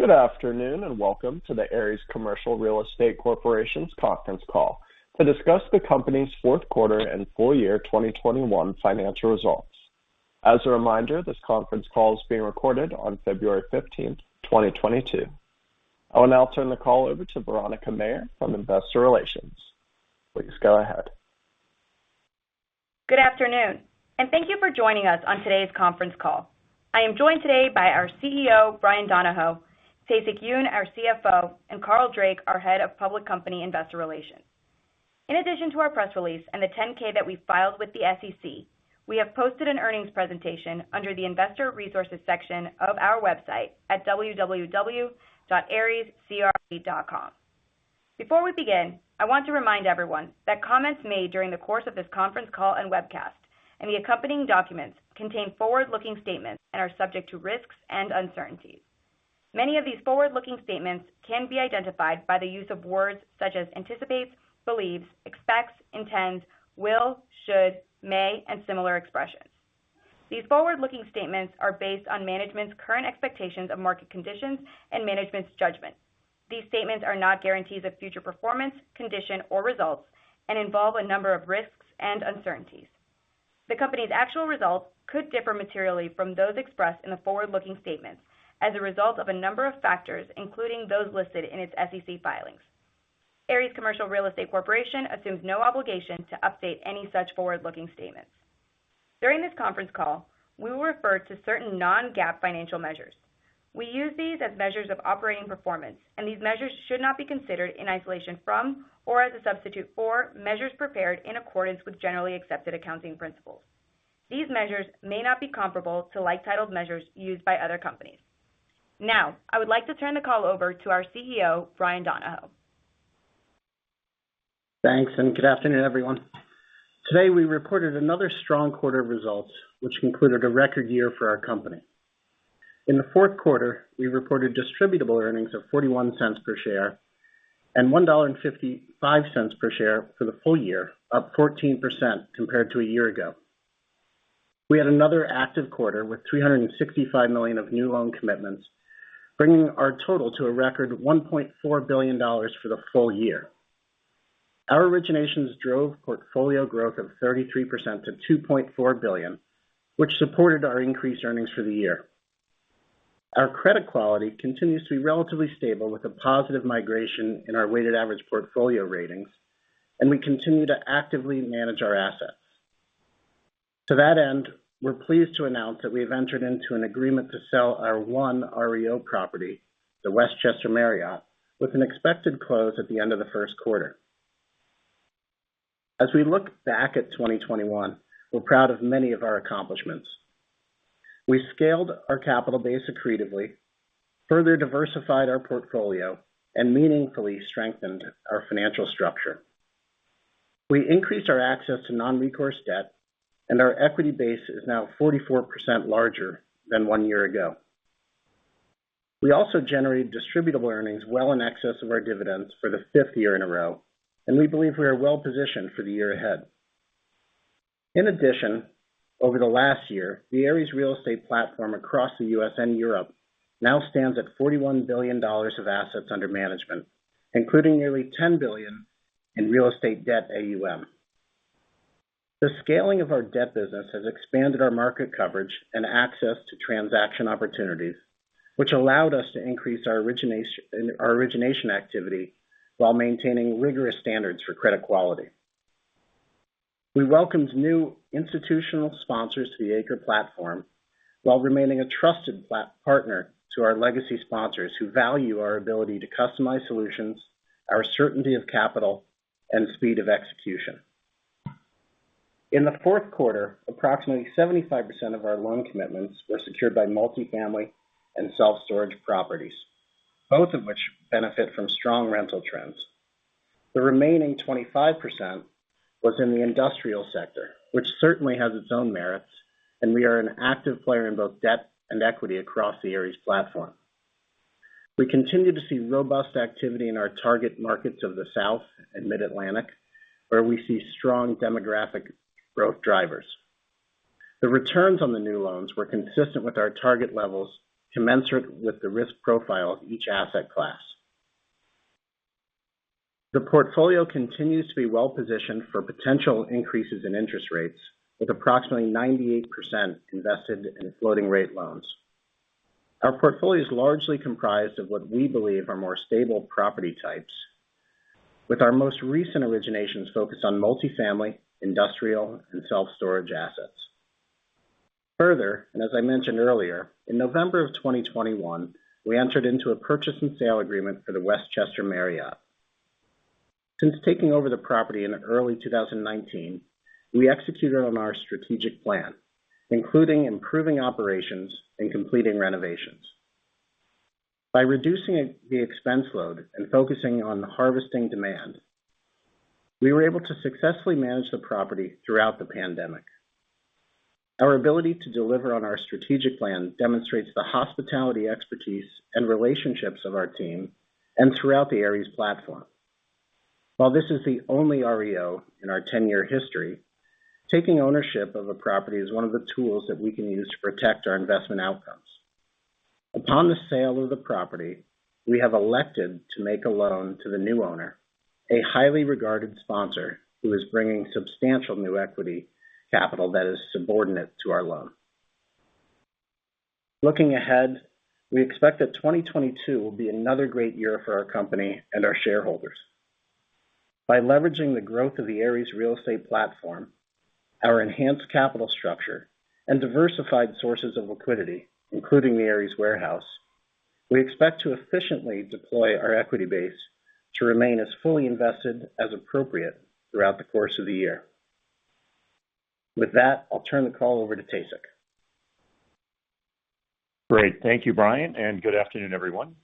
Good afternoon, and welcome to the Ares Commercial Real Estate Corporation's conference call to discuss the company's fourth quarter and full year 2021 financial results. As a reminder, this conference call is being recorded on February 15th, 2022. I will now turn the call over to Veronica Mayer from Investor Relations. Please go ahead. Good afternoon, and thank you for joining us on today's conference call. I am joined today by our CEO, Bryan Donohoe, Tae-Sik Yoon, our CFO, and Carl Drake, our Head of Public Company Investor Relations. In addition to our press release and the 10-K that we filed with the SEC, we have posted an earnings presentation under the investor resources section of our website at www.arescre.com. Before we begin, I want to remind everyone that comments made during the course of this conference call and webcast and the accompanying documents contain forward-looking statements and are subject to risks and uncertainties. Many of these forward-looking statements can be identified by the use of words such as anticipates, believes, expects, intends, will, should, may, and similar expressions. These forward-looking statements are based on management's current expectations of market conditions and management's judgment. These statements are not guarantees of future performance, condition, or results and involve a number of risks and uncertainties. The company's actual results could differ materially from those expressed in the forward-looking statements as a result of a number of factors, including those listed in its SEC filings. Ares Commercial Real Estate Corporation assumes no obligation to update any such forward-looking statements. During this conference call, we will refer to certain non-GAAP financial measures. We use these as measures of operating performance, and these measures should not be considered in isolation from or as a substitute for measures prepared in accordance with generally accepted accounting principles. These measures may not be comparable to like-titled measures used by other companies. Now, I would like to turn the call over to our CEO, Bryan Donohoe. Thanks, and good afternoon, everyone. Today, we reported another strong quarter of results which concluded a record year for our company. In the fourth quarter, we reported Distributable Earnings of $0.41 per share and $1.55 per share for the full year, up 14% compared to a year ago. We had another active quarter with $365 million of new loan commitments, bringing our total to a record $1.4 billion for the full year. Our originations drove portfolio growth of 33% to $2.4 billion, which supported our increased earnings for the year. Our credit quality continues to be relatively stable with a positive migration in our weighted average portfolio ratings, and we continue to actively manage our assets. To that end, we're pleased to announce that we have entered into an agreement to sell our one REO property, the Westchester Marriott, with an expected close at the end of the first quarter. As we look back at 2021, we're proud of many of our accomplishments. We scaled our capital base accretively, further diversified our portfolio, and meaningfully strengthened our financial structure. We increased our access to non-recourse debt, and our equity base is now 44% larger than one year ago. We also generated Distributable Earnings well in excess of our dividends for the fifth year in a row, and we believe we are well positioned for the year ahead. In addition, over the last year, the Ares real estate platform across the U.S. and Europe now stands at $41 billion of assets under management, including nearly $10 billion in real estate debt AUM. The scaling of our debt business has expanded our market coverage and access to transaction opportunities, which allowed us to increase our origination activity while maintaining rigorous standards for credit quality. We welcomed new institutional sponsors to the ACRE platform while remaining a trusted partner to our legacy sponsors who value our ability to customize solutions, our certainty of capital, and speed of execution. In the fourth quarter, approximately 75% of our loan commitments were secured by multifamily and self-storage properties, both of which benefit from strong rental trends. The remaining 25% was in the industrial sector, which certainly has its own merits, and we are an active player in both debt and equity across the Ares platform. We continue to see robust activity in our target markets of the South and Mid-Atlantic, where we see strong demographic growth drivers. The returns on the new loans were consistent with our target levels, commensurate with the risk profile of each asset class. The portfolio continues to be well positioned for potential increases in interest rates, with approximately 98% invested in floating rate loans. Our portfolio is largely comprised of what we believe are more stable property types, with our most recent originations focused on multifamily, industrial, and self-storage assets. Further, and as I mentioned earlier, in November 2021, we entered into a purchase and sale agreement for the Westchester Marriott. Since taking over the property in early 2019, we executed on our strategic plan, including improving operations and completing renovations. By reducing the expense load and focusing on the harvesting demand, we were able to successfully manage the property throughout the pandemic. Our ability to deliver on our strategic plan demonstrates the hospitality expertise and relationships of our team and throughout the Ares platform. While this is the only REO in our 10-year history, taking ownership of a property is one of the tools that we can use to protect our investment outcomes. Upon the sale of the property, we have elected to make a loan to the new owner, a highly regarded sponsor who is bringing substantial new equity capital that is subordinate to our loan. Looking ahead, we expect that 2022 will be another great year for our company and our shareholders. By leveraging the growth of the Ares real estate platform, our enhanced capital structure, and diversified sources of liquidity, including the Ares warehouse, we expect to efficiently deploy our equity base to remain as fully invested as appropriate throughout the course of the year. With that, I'll turn the call over to Tae-Sik. Great. Thank you, Bryan, and good afternoon, everyone.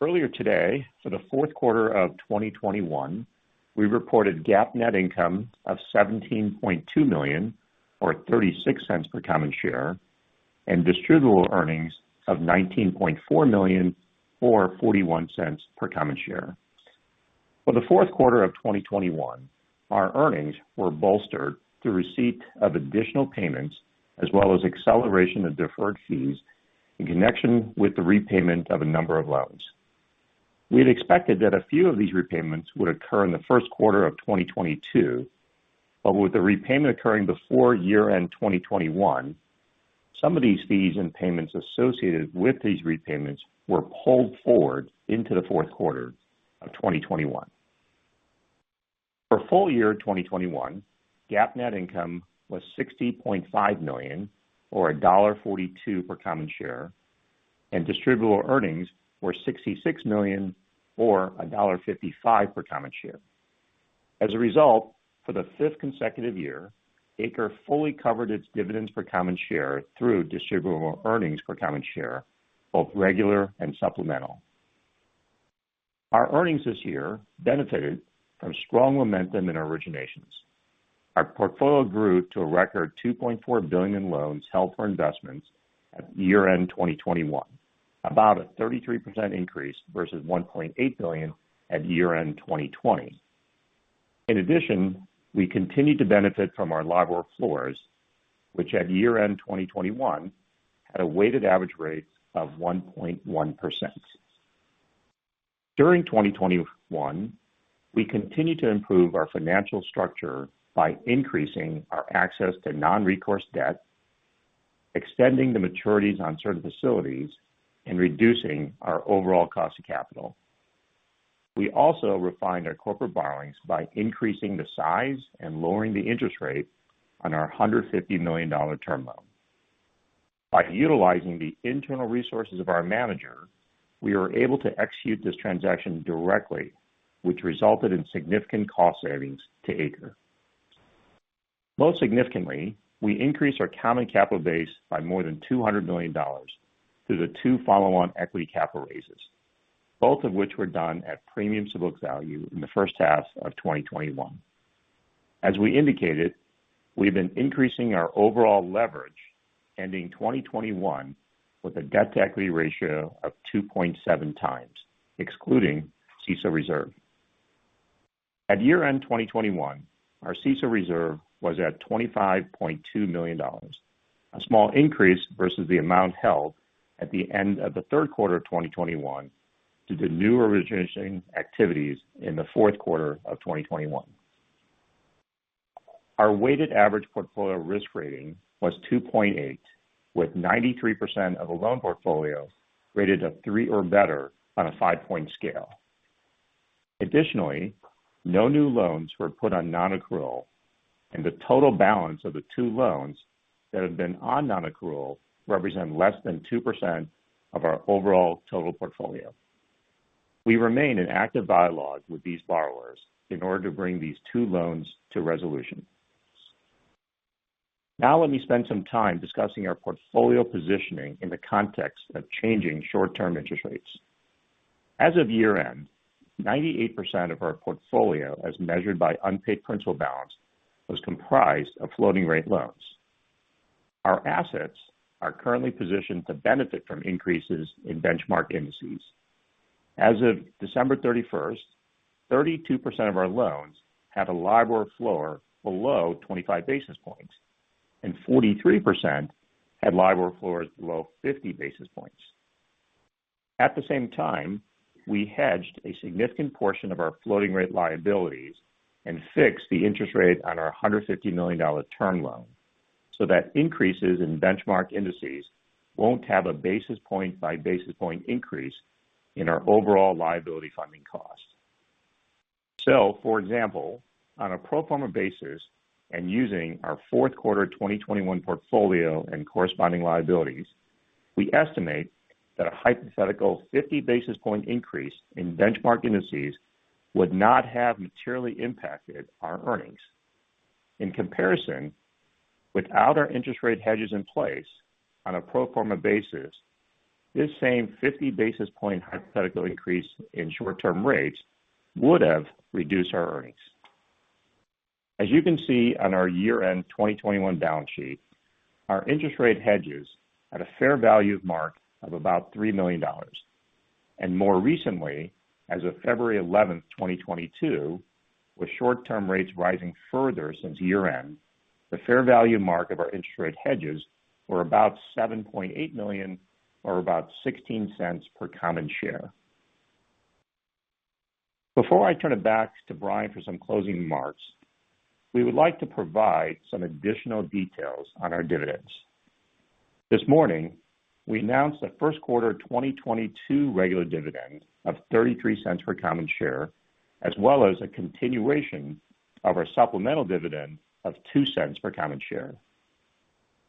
Earlier today, for the fourth quarter of 2021, we reported GAAP net income of $17.2 million or $0.36 per common share, and Distributable Earnings of $19.4 million or $0.41 per common share. For the fourth quarter of 2021, our earnings were bolstered through receipt of additional payments as well as acceleration of deferred fees in connection with the repayment of a number of loans. We had expected that a few of these repayments would occur in the first quarter of 2022, but with the repayment occurring before year-end 2021, some of these fees and payments associated with these repayments were pulled forward into the fourth quarter of 2021. For full year 2021, GAAP net income was $60.5 million or $1.42 per common share, and Distributable Earnings were $66 million or $1.55 per common share. As a result, for the fifth consecutive year, ACRE fully covered its dividends per common share through Distributable Earnings per common share, both regular and supplemental. Our earnings this year benefited from strong momentum in originations. Our portfolio grew to a record $2.4 billion in loans held for investments at year-end 2021, about a 33% increase versus $1.8 billion at year-end 2020. In addition, we continued to benefit from our LIBOR floors, which at year-end 2021 had a weighted average rate of 1.1%. During 2021, we continued to improve our financial structure by increasing our access to non-recourse debt, extending the maturities on certain facilities, and reducing our overall cost of capital. We also refined our corporate borrowings by increasing the size and lowering the interest rate on our $150 million term loan. By utilizing the internal resources of our manager, we were able to execute this transaction directly, which resulted in significant cost savings to ACRE. Most significantly, we increased our common capital base by more than $200 million through the two follow-on equity capital raises, both of which were done at premium to book value in the first half of 2021. As we indicated, we've been increasing our overall leverage ending 2021 with a debt-to-equity ratio of 2.7x, excluding CECL reserve. At year-end 2021, our CECL reserve was at $25.2 million, a small increase versus the amount held at the end of the third quarter of 2021 due to new origination activities in the fourth quarter of 2021. Our weighted average portfolio risk rating was 2.8%, with 93% of the loan portfolio rated a 3% or better on a five-point scale. Additionally, no new loans were put on non-accrual, and the total balance of the two loans that have been on non-accrual represent less than 2% of our overall total portfolio. We remain in active dialogue with these borrowers in order to bring these two loans to resolution. Now let me spend some time discussing our portfolio positioning in the context of changing short-term interest rates. As of year-end, 98% of our portfolio, as measured by unpaid principal balance, was comprised of floating-rate loans. Our assets are currently positioned to benefit from increases in benchmark indices. As of December 31st, 32% of our loans had a LIBOR floor below 25 basis points, and 43% had LIBOR floors below 50 basis points. At the same time, we hedged a significant portion of our floating rate liabilities and fixed the interest rate on our $150 million term loan so that increases in benchmark indices won't have a basis point by basis point increase in our overall liability funding cost. For example, on a pro forma basis and using our fourth quarter 2021 portfolio and corresponding liabilities, we estimate that a hypothetical 50 basis point increase in benchmark indices would not have materially impacted our earnings. In comparison, without our interest rate hedges in place on a pro forma basis, this same 50 basis point hypothetical increase in short-term rates would have reduced our earnings. As you can see on our year-end 2021 balance sheet, our interest rate hedges had a fair value mark of about $3 million. More recently, as of February 11th, 2022, with short-term rates rising further since year-end, the fair value mark of our interest rate hedges were about $7.8 million or about $0.16 per common share. Before I turn it back to Bryan for some closing remarks, we would like to provide some additional details on our dividends. This morning, we announced the first quarter 2022 regular dividend of $0.33 per common share, as well as a continuation of our supplemental dividend of $0.02 per common share.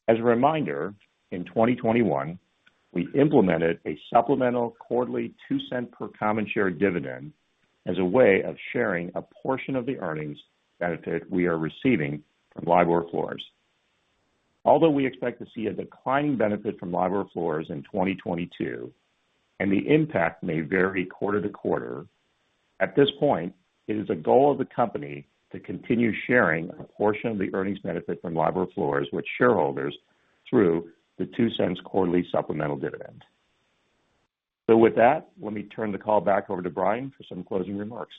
As a reminder, in 2021, we implemented a supplemental quarterly $0.02 per common share dividend as a way of sharing a portion of the earnings benefit we are receiving from LIBOR floors. Although we expect to see a declining benefit from LIBOR floors in 2022, and the impact may vary quarter-to-quarter, at this point, it is a goal of the company to continue sharing a portion of the earnings benefit from LIBOR floors with shareholders through the $0.02 quarterly supplemental dividend. With that, let me turn the call back over to Bryan for some closing remarks.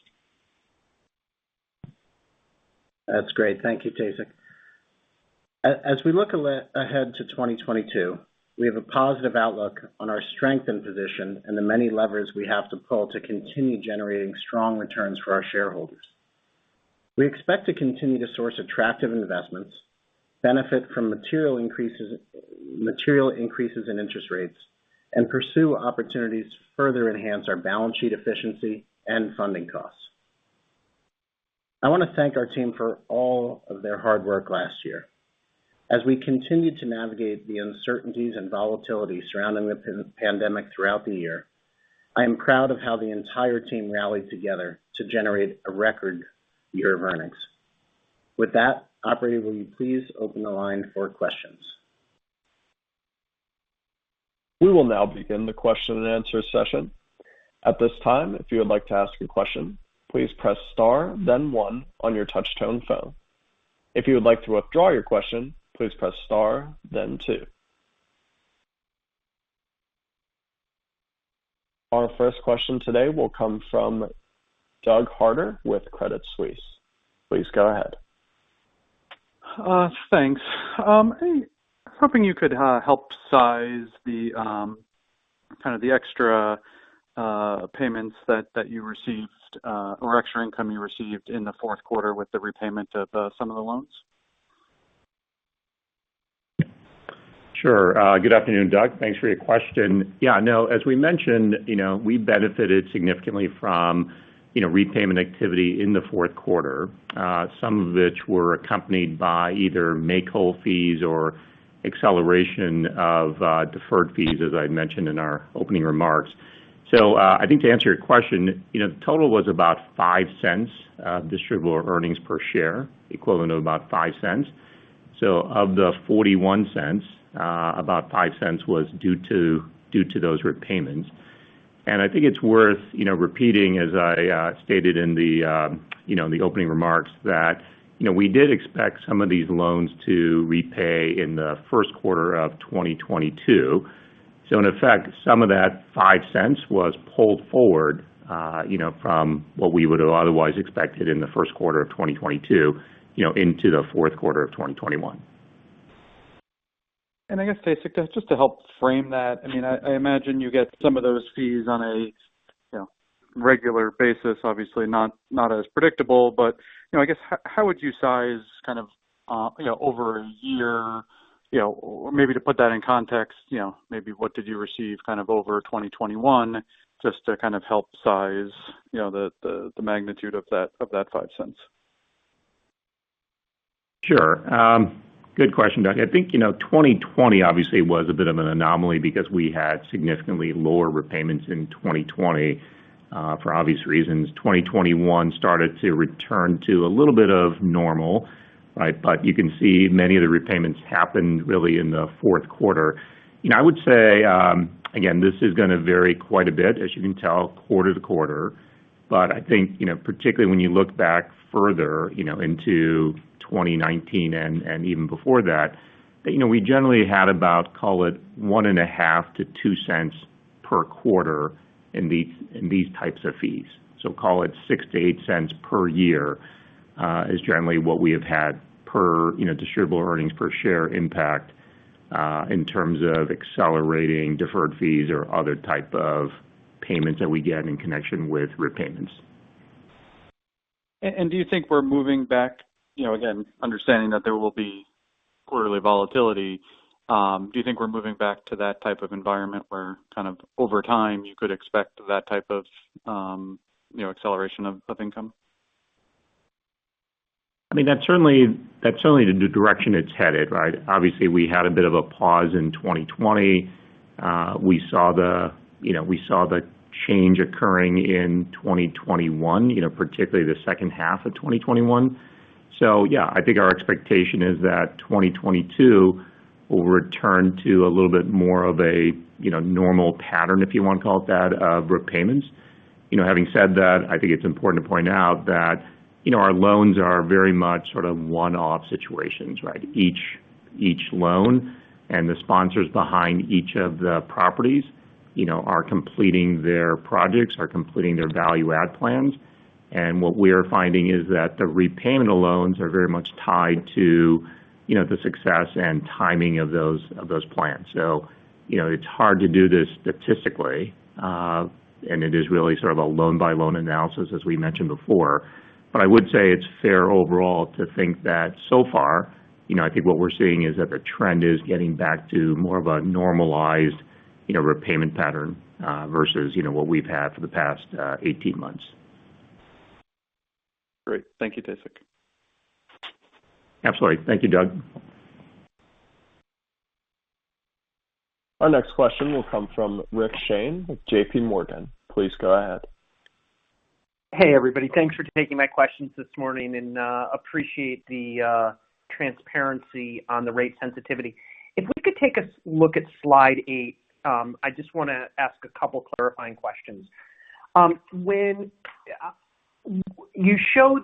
That's great. Thank you, Tae-Sik. As we look ahead to 2022, we have a positive outlook on our strength and position and the many levers we have to pull to continue generating strong returns for our shareholders. We expect to continue to source attractive investments, benefit from material increases in interest rates, and pursue opportunities to further enhance our balance sheet efficiency and funding costs. I want to thank our team for all of their hard work last year. As we continue to navigate the uncertainties and volatility surrounding the pandemic throughout the year, I am proud of how the entire team rallied together to generate a record year of earnings. With that, operator, will you please open the line for questions? We will now begin the question and answer session. At this time, if you would like to ask a question, please press star then one on your touch tone phone. If you would like to withdraw your question, please press star then two. Our first question today will come from Doug Harter with Credit Suisse. Please go ahead. Thanks. I'm hoping you could help size the kind of the extra payments that you received or extra income you received in the fourth quarter with the repayment of some of the loans. Sure. Good afternoon, Doug. Thanks for your question. Yeah, I know. As we mentioned, you know, we benefited significantly from, you know, repayment activity in the fourth quarter, some of which were accompanied by either make-whole fees or acceleration of, deferred fees, as I mentioned in our opening remarks. I think to answer your question, you know, the total was about $0.05 of distributable earnings per share, equivalent of about $0.05. Of the $0.41, about $0.05 was due to those repayments. I think it's worth, you know, repeating, as I stated in the opening remarks, that, you know, we did expect some of these loans to repay in the first quarter of 2022. In effect, some of that $0.05 was pulled forward, you know, from what we would have otherwise expected in the first quarter of 2022, you know, into the fourth quarter of 2021. I guess, Tae-Sik, just to help frame that. I mean, I imagine you get some of those fees on a, you know, regular basis, obviously not as predictable. But, you know, I guess, how would you size kind of, you know, over a year, you know, or maybe to put that in context, you know, maybe what did you receive kind of over 2021 just to kind of help size, you know, the magnitude of that $0.05? Sure. Good question, Doug. I think, you know, 2020 obviously was a bit of an anomaly because we had significantly lower repayments in 2020, for obvious reasons. 2021 started to return to a little bit of normal, right? You can see many of the repayments happened really in the fourth quarter. You know, I would say, again, this is gonna vary quite a bit, as you can tell, quarter to quarter. I think, you know, particularly when you look back further, you know, into 2019 and even before that, you know, we generally had about, call it $0.015-$0.02 per quarter in these types of fees. Call it $0.06-$0.08 per year, which is generally what we have had per, you know, Distributable Earnings per share impact, in terms of accelerating deferred fees or other type of payments that we get in connection with repayments. Do you think we're moving back? You know, again, understanding that there will be quarterly volatility, do you think we're moving back to that type of environment where kind of over time you could expect that type of, you know, acceleration of income? I mean, that's certainly the direction it's headed, right? Obviously, we had a bit of a pause in 2020. We saw the change occurring in 2021, you know, particularly the second half of 2021. Yeah, I think our expectation is that 2022 will return to a little bit more of a normal pattern, if you want to call it that, of repayments. You know, having said that, I think it's important to point out that our loans are very much sort of one-off situations, right? Each loan and the sponsors behind each of the properties, you know, are completing their projects, are completing their value add plans. What we are finding is that the repayment of loans are very much tied to, you know, the success and timing of those plans. You know, it's hard to do this statistically, and it is really sort of a loan-by-loan analysis, as we mentioned before. I would say it's fair overall to think that so far, you know, I think what we're seeing is that the trend is getting back to more of a normalized, you know, repayment pattern, versus, you know, what we've had for the past, 18 months. Great. Thank you, Tae-Sik. Absolutely. Thank you, Doug. Our next question will come from Rick Shane with J.P. Morgan. Please go ahead. Hey, everybody. Thanks for taking my questions this morning, and appreciate the transparency on the rate sensitivity. If we could take a look at slide eight, I just wanna ask a couple clarifying questions. When you show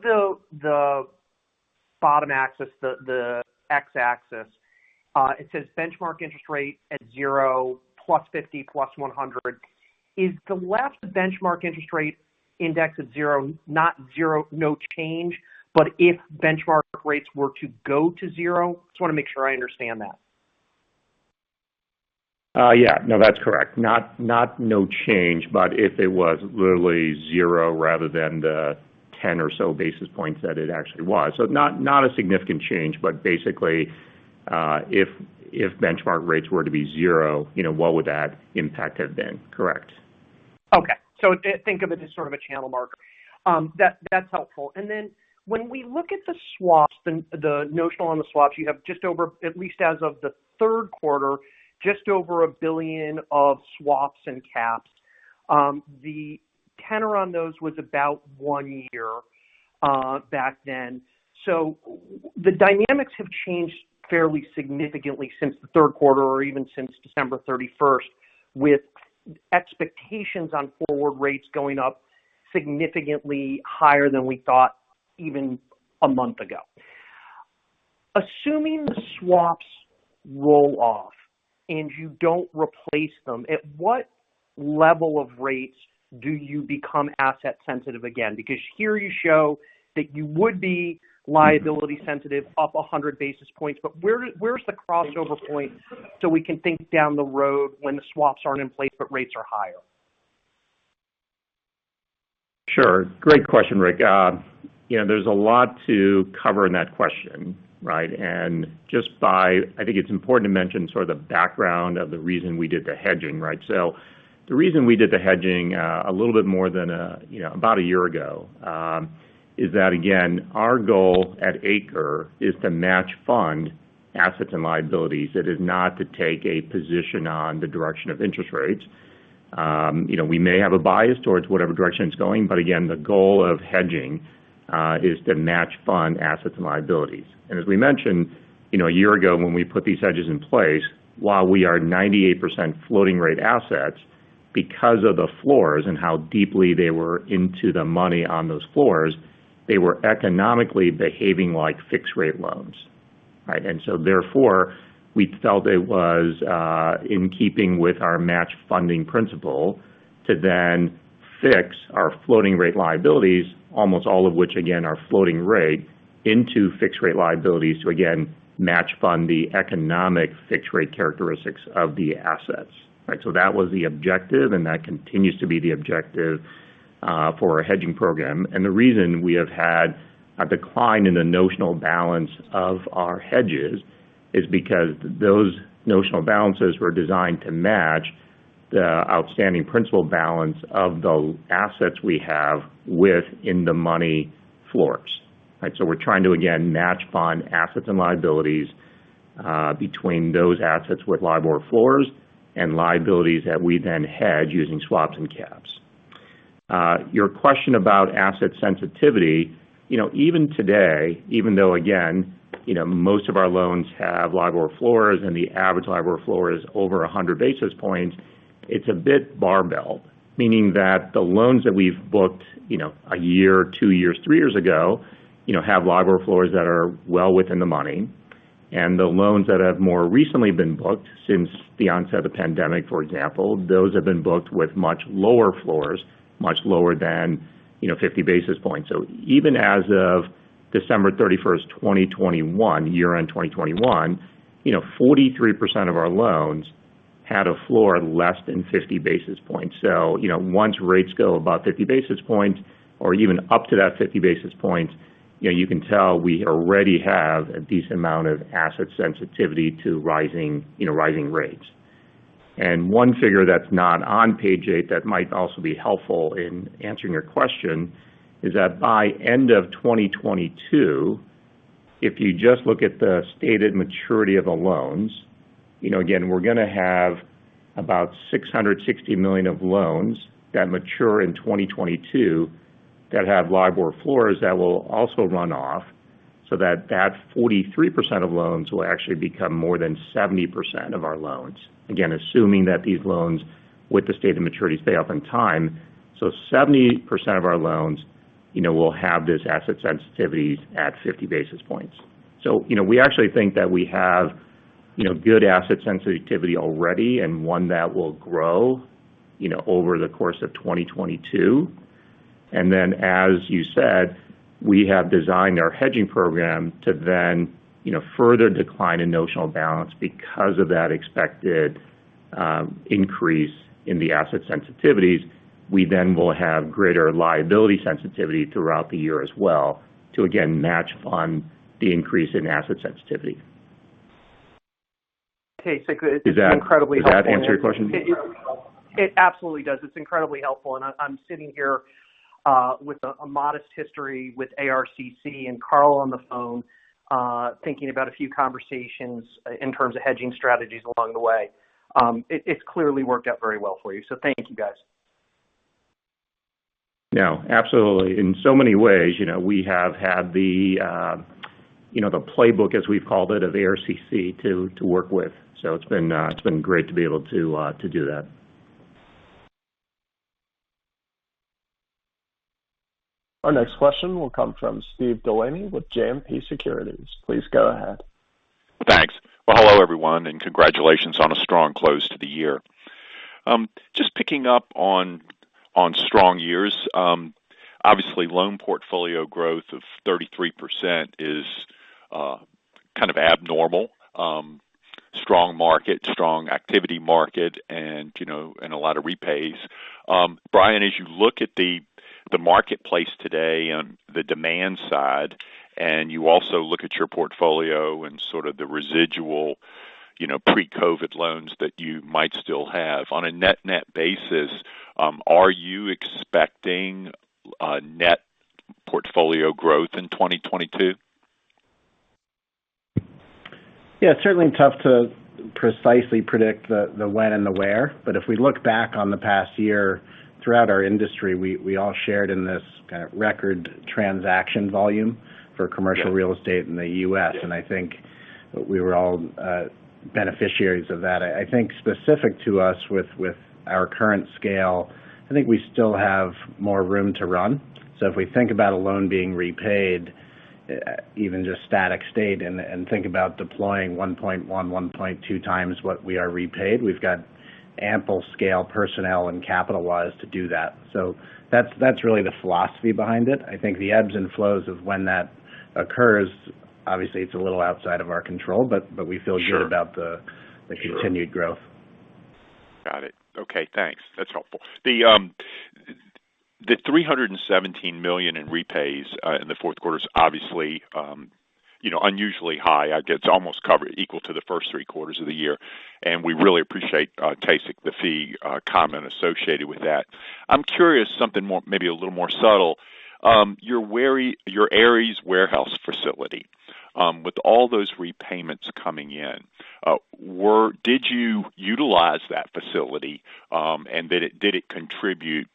the bottom axis, the x-axis, it says benchmark interest rate at zero + 50 basis points + 100 basis points. Is the last benchmark interest rate index at zero, not zero, no change, but if benchmark rates were to go to zero? Just wanna make sure I understand that. Yeah. No, that's correct. Not no change, but if it was literally zero rather than the 10 or so basis points that it actually was. Not a significant change, but basically, if benchmark rates were to be zero, you know, what would that impact have been? Correct. Okay. Think of it as sort of a channel marker. That's helpful. When we look at the swaps, the notional on the swaps, you have just over, at least as of the third quarter, just over $1 billion of swaps and caps. The tenor on those was about one year back then. The dynamics have changed fairly significantly since the third quarter or even since December 31st, with expectations on forward rates going up significantly higher than we thought even a month ago. Assuming the swaps roll off and you don't replace them, at what level of rates do you become asset sensitive again? Because here you show that you would be liability sensitive up 100 basis points, but where's the crossover point so we can think down the road when the swaps aren't in place but rates are higher? Sure. Great question, Rick. You know, there's a lot to cover in that question, right? I think it's important to mention sort of the background of the reason we did the hedging, right? The reason we did the hedging, a little bit more than, you know, about a year ago, is that again, our goal at ACRE is to match fund assets and liabilities. It is not to take a position on the direction of interest rates. You know, we may have a bias towards whatever direction it's going, but again, the goal of hedging is to match fund assets and liabilities. As we mentioned, you know, a year ago when we put these hedges in place, while we are 98% floating rate assets, because of the floors and how deeply they were into the money on those floors, they were economically behaving like fixed rate loans, right? Therefore, we felt it was in keeping with our match funding principle to then fix our floating rate liabilities, almost all of which again, are floating rate, into fixed rate liabilities to again, match fund the economic fixed rate characteristics of the assets, right? That was the objective, and that continues to be the objective for our hedging program. The reason we have had a decline in the notional balance of our hedges is because those notional balances were designed to match the outstanding principal balance of the assets we have with in the money floors, right? We're trying to, again, match fund assets and liabilities, between those assets with LIBOR floors and liabilities that we then hedge using swaps and caps. Your question about asset sensitivity. You know, even today, even though again, you know, most of our loans have LIBOR floors, and the average LIBOR floor is over 100 basis points, it's a bit barbell. Meaning that the loans that we've booked, you know, a year or two years, three years ago, you know, have LIBOR floors that are well within the money. The loans that have more recently been booked since the onset of the pandemic, for example, those have been booked with much lower floors, much lower than, you know, 50 basis points. Even as of December 31st, 2021, year-end 2021, you know, 43% of our loans had a floor less than 50 basis points. Once rates go above 50 basis points or even up to that 50 basis points, you know, you can tell we already have a decent amount of asset sensitivity to rising, you know, rising rates. One figure that's not on page eight that might also be helpful in answering your question is that by end of 2022, if you just look at the stated maturity of the loans, you know, again, we're gonna have about $660 million of loans that mature in 2022 that have LIBOR floors that will also run off. That 43% of loans will actually become more than 70% of our loans. Again, assuming that these loans with the stated maturity stay up on time. 70% of our loans, you know, will have this asset sensitivities at 50 basis points. You know, we actually think that we have, you know, good asset sensitivity already and one that will grow, you know, over the course of 2022. As you said, we have designed our hedging program to then, you know, further decline in notional balance because of that expected increase in the asset sensitivities. We then will have greater liability sensitivity throughout the year as well to again, match fund the increase in asset sensitivity. Okay. It's incredibly helpful. Does that answer your question? It absolutely does. It's incredibly helpful. I'm sitting here with a modest history with ARCC and Carl on the phone, thinking about a few conversations in terms of hedging strategies along the way. It's clearly worked out very well for you. Thank you guys. No, absolutely. In so many ways, you know, we have had the, you know, the playbook, as we've called it, of ARCC to work with. It's been great to be able to do that. Our next question will come from Steve DeLaney with JMP Securities. Please go ahead. Thanks. Well, hello everyone, and congratulations on a strong close to the year. Just picking up on strong years. Obviously, loan portfolio growth of 33% is kind of abnormal, strong market, strong activity in the market and, you know, and a lot of repays. Bryan, as you look at the marketplace today on the demand side, and you also look at your portfolio and sort of the residual, you know, pre-COVID loans that you might still have. On a net-net basis, are you expecting a net portfolio growth in 2022? Yeah, it's certainly tough to precisely predict the when and the where. If we look back on the past year throughout our industry, we all shared in this kind of record transaction volume for commercial real estate in the U.S., and I think we were all beneficiaries of that. I think specific to us with our current scale, I think we still have more room to run. If we think about a loan being repaid, even just static state and think about deploying 1.1x, 1.2x what we are repaid, we've got ample scale personnel and capital-wise to do that. That's really the philosophy behind it. I think the ebbs and flows of when that occurs, obviously, it's a little outside of our control. Sure. We feel good about the- Sure ...the continued growth. Got it. Okay, thanks. That's helpful. The $317 million in repays in the fourth quarter is obviously, you know, unusually high. I get it's almost covered, equal to the first three quarters of the year, and we really appreciate, Tae-Sik, the fee comment associated with that. I'm curious, something more, maybe a little more subtle. Your Ares warehouse facility, with all those repayments coming in, did you utilize that facility? And did it contribute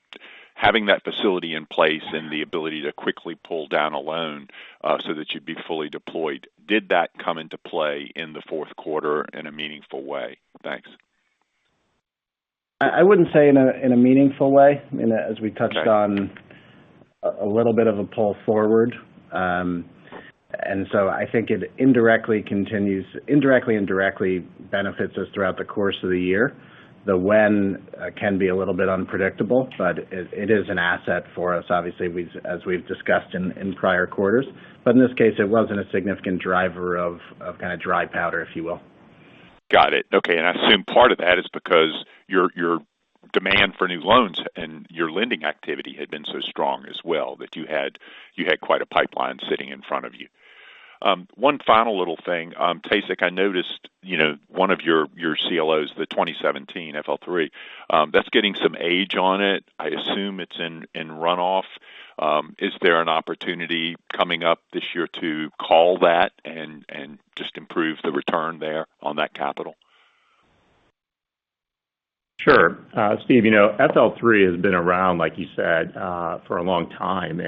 having that facility in place and the ability to quickly pull down a loan, so that you'd be fully deployed? Did that come into play in the fourth quarter in a meaningful way? Thanks. I wouldn't say in a meaningful way. I mean, as we touched on a little bit of a pull forward. I think it indirectly and directly benefits us throughout the course of the year. The when can be a little bit unpredictable, but it is an asset for us, obviously, as we've discussed in prior quarters. In this case, it wasn't a significant driver of kind of dry powder, if you will. Got it. Okay. I assume part of that is because your demand for new loans and your lending activity had been so strong as well, that you had quite a pipeline sitting in front of you. One final little thing. Tae-Sik, I noticed, you know, one of your CLOs, the 2017 FL3, that's getting some age on it. I assume it's in runoff. Is there an opportunity coming up this year to call that and just improve the return there on that capital? Sure. Steve, you know, FL3 has been around, like you said, for a long time.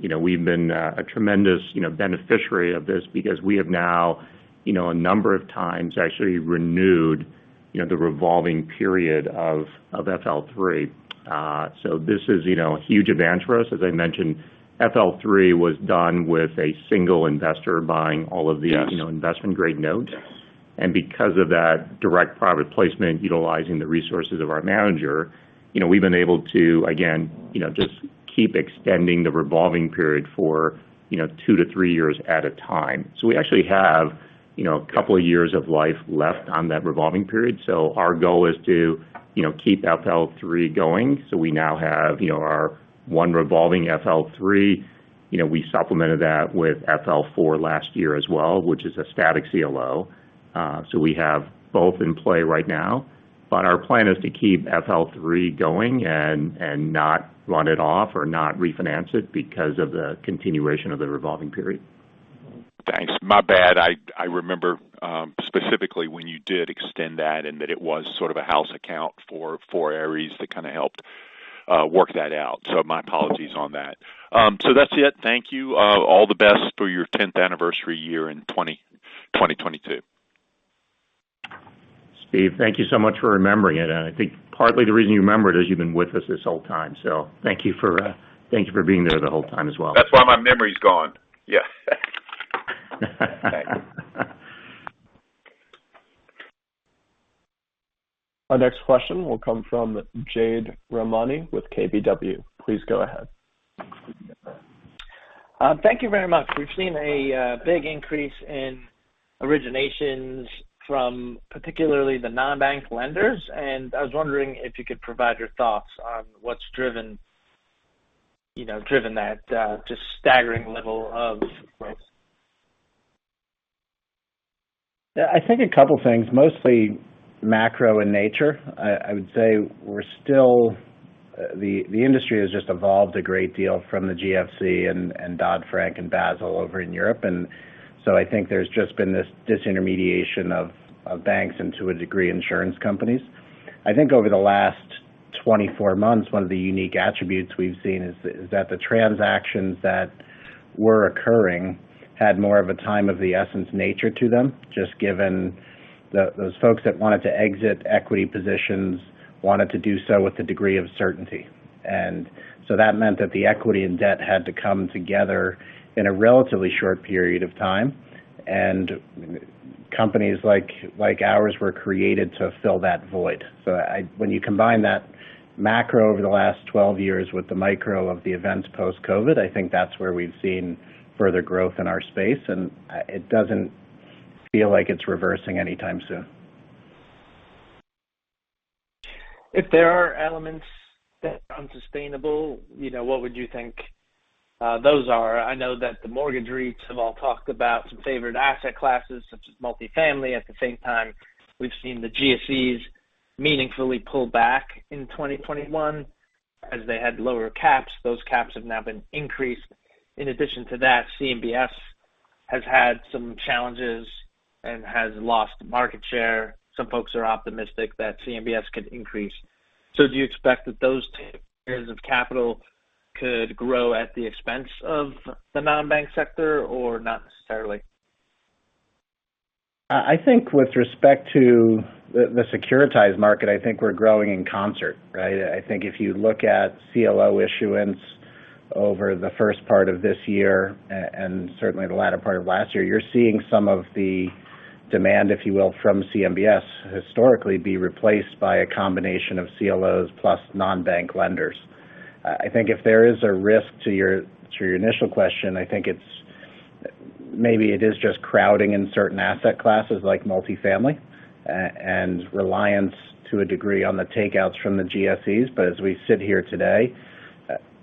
You know, we've been a tremendous, you know, beneficiary of this because we have now, you know, a number of times actually renewed, you know, the revolving period of FL3. This is, you know, a huge advantage for us. As I mentioned, FL3 was done with a single investor buying all of the- Yes ...you know, investment grade notes. Yes. Because of that direct private placement utilizing the resources of our manager, you know, we've been able to, again, you know, just keep extending the revolving period for, you know, two to three years at a time. We actually have, you know, a couple of years of life left on that revolving period. Our goal is to, you know, keep FL3 going. We now have, you know, our one revolving FL3. You know, we supplemented that with FL4 last year as well, which is a static CLO. We have both in play right now. Our plan is to keep FL3 going and not run it off or not refinance it because of the continuation of the revolving period. Thanks. My bad. I remember specifically when you did extend that and that it was sort of a house account for Ares that kind of helped. Work that out. My apologies on that. That's it. Thank you. All the best for your 10th anniversary year in 2022. Steve, thank you so much for remembering it. I think partly the reason you remember it is you've been with us this whole time. Thank you for being there the whole time as well. That's why my memory is gone. Yes. Our next question will come from Jade Rahmani with KBW. Please go ahead. Thank you very much. We've seen a big increase in originations from particularly the non-bank lenders, and I was wondering if you could provide your thoughts on what's driven, you know, that just staggering level of growth. I think a couple of things, mostly macro in nature. I would say the industry has just evolved a great deal from the GFC and Dodd-Frank and Basel over in Europe. I think there's just been this disintermediation of banks to a degree insurance companies. I think over the last 24 months, one of the unique attributes we've seen is that the transactions that were occurring had more of a time of the essence nature to them, just given the those folks that wanted to exit equity positions wanted to do so with a degree of certainty. That meant that the equity and debt had to come together in a relatively short period of time. Companies like ours were created to fill that void. When you combine that macro over the last 12 years with the micro of the events post-COVID, I think that's where we've seen further growth in our space, and it doesn't feel like it's reversing anytime soon. If there are elements that are unsustainable, you know, what would you think those are? I know that the Mortgage REITs have all talked about some favored asset classes such as multifamily. At the same time, we've seen the GSEs meaningfully pull back in 2021 as they had lower caps. Those caps have now been increased. In addition to that, CMBS has had some challenges and has lost market share. Some folks are optimistic that CMBS could increase. So do you expect that those two areas of capital could grow at the expense of the non-bank sector or not necessarily? I think with respect to the securitized market, I think we're growing in concert, right? I think if you look at CLO issuance over the first part of this year, and certainly the latter part of last year, you're seeing some of the demand, if you will, from CMBS historically be replaced by a combination of CLOs plus non-bank lenders. I think if there is a risk to your initial question, I think it's maybe it is just crowding in certain asset classes like multifamily and reliance to a degree on the takeouts from the GSEs. As we sit here today,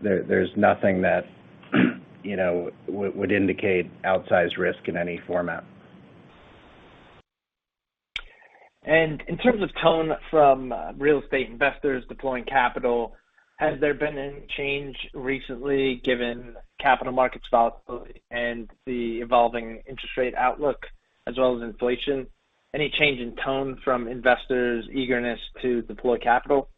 there's nothing that you know would indicate outsized risk in any format. In terms of tone from real estate investors deploying capital, has there been any change recently given capital market volatility and the evolving interest rate outlook as well as inflation? Any change in tone from investors' eagerness to deploy capital?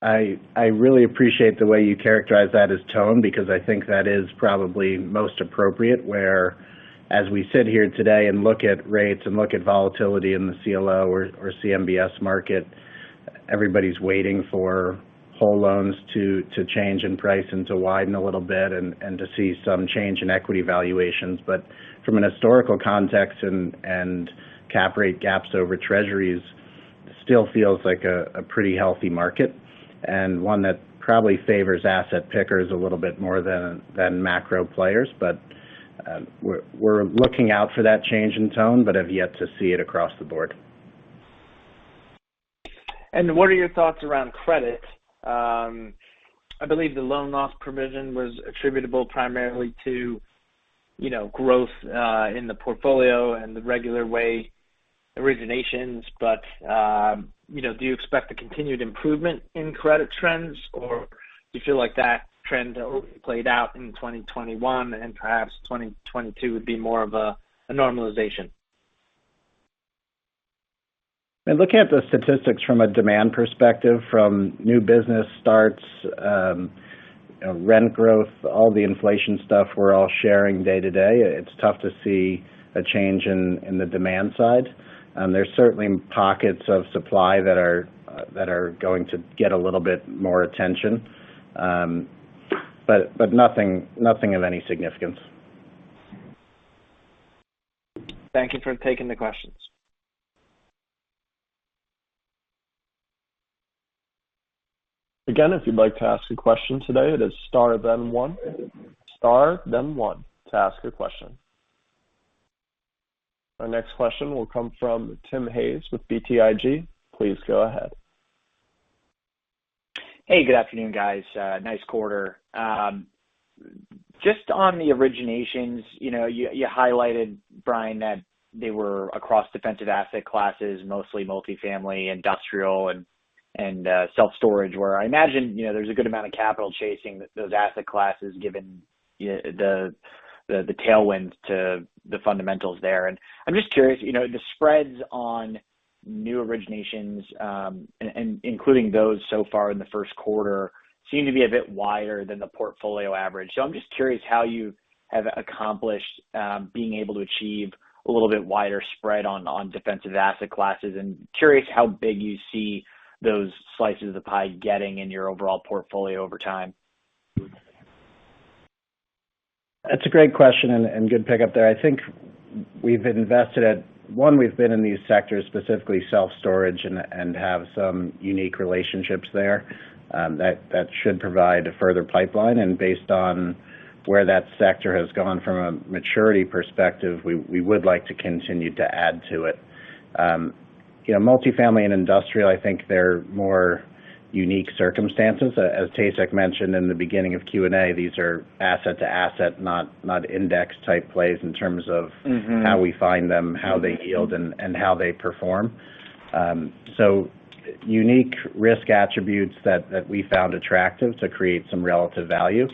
I really appreciate the way you characterize that as tone because I think that is probably most appropriate, whereas we sit here today and look at rates and look at volatility in the CLO or CMBS market, everybody's waiting for whole loans to change in price and to widen a little bit and to see some change in equity valuations. From an historical context and cap rate gaps over Treasuries still feels like a pretty healthy market and one that probably favors asset pickers a little bit more than macro players. We're looking out for that change in tone, but have yet to see it across the board. What are your thoughts around credit? I believe the loan loss provision was attributable primarily to, you know, growth in the portfolio and the regular way originations. You know, do you expect a continued improvement in credit trends, or you feel like that trend played out in 2021 and perhaps 2022 would be more of a normalization? Looking at the statistics from a demand perspective, from new business starts, rent growth, all the inflation stuff we're all sharing day to day, it's tough to see a change in the demand side. There's certainly pockets of supply that are going to get a little bit more attention. Nothing of any significance. Thank you for taking the questions. Again, if you'd like to ask a question today, it is star then one. Star then one to ask a question. Our next question will come from Timothy Hayes with BTIG. Please go ahead. Hey, good afternoon, guys. Nice quarter. Just on the originations, you know, you highlighted, Bryan, that they were across defensive asset classes, mostly multifamily, industrial and self-storage, where I imagine, you know, there's a good amount of capital chasing those asset classes given the tailwinds to the fundamentals there. I'm just curious, you know, the spreads on new originations and including those so far in the first quarter seem to be a bit wider than the portfolio average. I'm just curious how you have accomplished being able to achieve a little bit wider spread on defensive asset classes, and curious how big you see those slices of the pie getting in your overall portfolio over time. That's a great question and good pick-up there. I think we've invested at one, we've been in these sectors, specifically self-storage and have some unique relationships there, that should provide a further pipeline. Based on where that sector has gone from a maturity perspective, we would like to continue to add to it. You know, multifamily and industrial, I think they're more unique circumstances. As Tae-Sik mentioned in the beginning of Q&A, these are asset-to-asset, not index-type plays in terms of- Mm-hmm ...how we find them, how they yield, and how they perform. Unique risk attributes that we found attractive to create some relative value.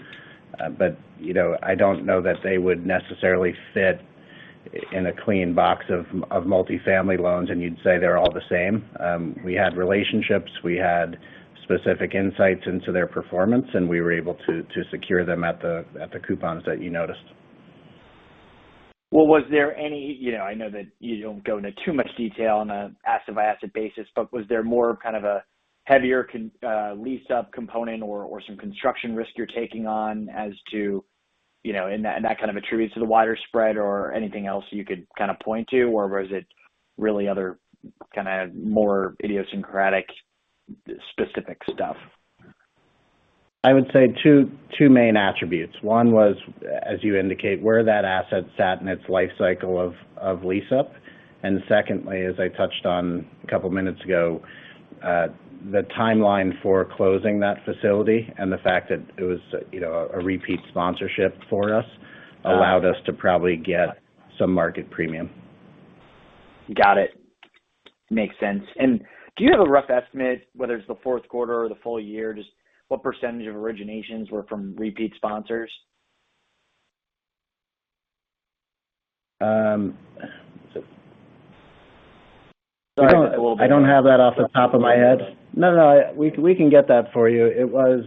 You know, I don't know that they would necessarily fit in a clean box of multifamily loans, and you'd say they're all the same. We had relationships, we had specific insights into their performance, and we were able to secure them at the coupons that you noticed. Well, was there any? You know, I know that you don't go into too much detail on a asset-by-asset basis, but was there more kind of a heavier lease-up component or some construction risk you're taking on as to, you know, and that kind of attributes to the wider spread or anything else you could kind of point to? Or was it really other kind of more idiosyncratic specific stuff? I would say two main attributes. One was, as you indicate, where that asset sat in its life cycle of lease-up. Secondly, as I touched on a couple of minutes ago, the timeline for closing that facility and the fact that it was, you know, a repeat sponsorship for us allowed us to probably get some market premium. Got it. Makes sense. Do you have a rough estimate, whether it's the fourth quarter or the full year, just what percentage of originations were from repeat sponsors? Um, so- Sorry. I don't have that off the top of my head. No, we can get that for you. It was,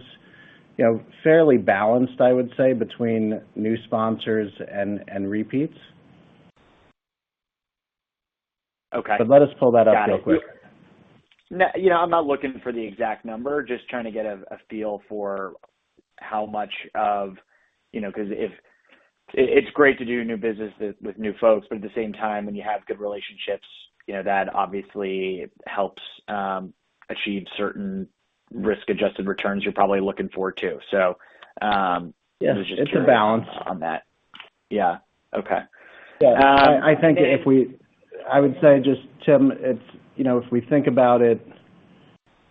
you know, fairly balanced, I would say, between new sponsors and repeats. Okay. Let us pull that up real quick. Got it. You know, I'm not looking for the exact number. Just trying to get a feel for how much of, you know, 'cause if it's great to do new business with new folks, but at the same time, when you have good relationships, you know, that obviously helps achieve certain risk-adjusted returns you're probably looking for, too. Yeah. It's a balance on that. Yeah. Okay. Yeah. I think I would say just, Tim, it's you know, if we think about it,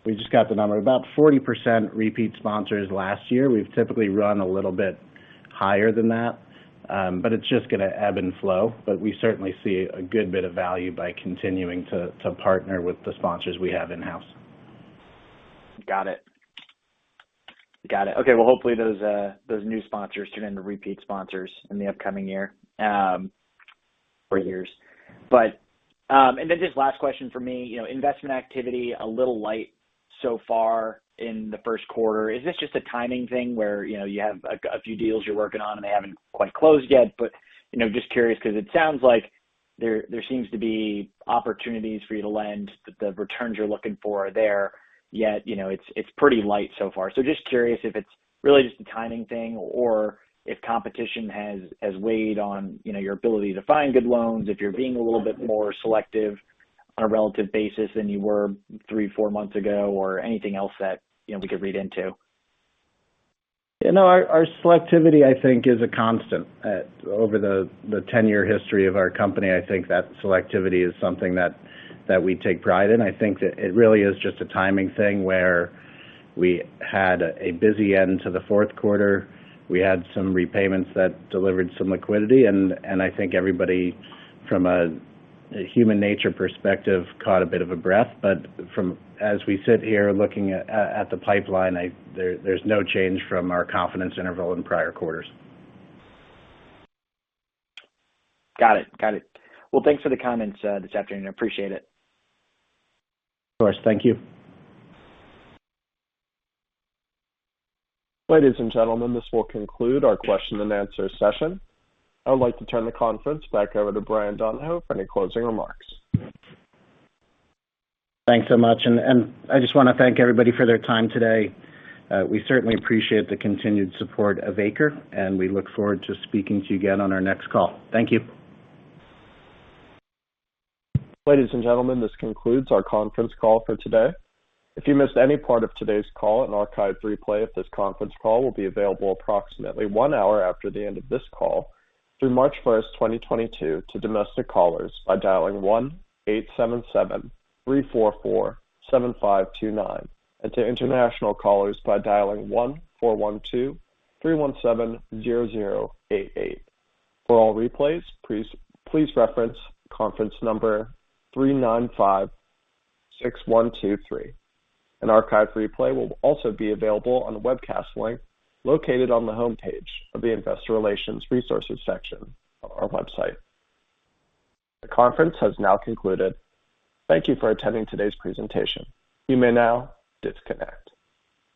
we just got the number. About 40% repeat sponsors last year. We've typically run a little bit higher than that, but it's just gonna ebb and flow. We certainly see a good bit of value by continuing to partner with the sponsors we have in-house. Got it. Okay. Well, hopefully those new sponsors turn into repeat sponsors in the upcoming year, or years. And then just last question for me. You know, investment activity a little light so far in the first quarter. Is this just a timing thing where, you know, you have a few deals you're working on and they haven't quite closed yet? You know, just curious 'cause it sounds like there seems to be opportunities for you to lend, that the returns you're looking for are there, yet, you know, it's pretty light so far. Just curious if it's really just a timing thing or if competition has weighed on, you know, your ability to find good loans, if you're being a little bit more selective on a relative basis than you were three or four months ago or anything else that, you know, we could read into. You know, our selectivity, I think, is a constant. Over the 10-year history of our company, I think that selectivity is something that we take pride in. I think that it really is just a timing thing where we had a busy end to the fourth quarter. We had some repayments that delivered some liquidity, and I think everybody from a human nature perspective caught a bit of a breath. As we sit here looking at the pipeline, there's no change from our confidence interval in prior quarters. Got it. Well, thanks for the comments this afternoon. I appreciate it. Of course. Thank you. Ladies and gentlemen, this will conclude our question and answer session. I'd like to turn the conference back over to Bryan Donohoe for any closing remarks. Thanks so much. I just wanna thank everybody for their time today. We certainly appreciate the continued support of ACRE, and we look forward to speaking to you again on our next call. Thank you. Ladies and gentlemen, this concludes our conference call for today. If you missed any part of today's call, an archived replay of this conference call will be available approximately one hour after the end of this call through March 1st, 2022, to domestic callers by dialing 1-877-344-7529, and to international callers by dialing 1-412-317-0088. For all replays, please reference conference number 395-6123. An archived replay will also be available on the webcast link located on the homepage of the Investor Relations Resources section of our website. The conference has now concluded. Thank you for attending today's presentation. You may now disconnect.